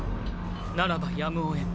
ならばやむをえん。